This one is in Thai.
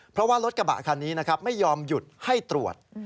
เพราะว่ารถกระบะคันนี้นะครับไม่ยอมหยุดให้ตรวจ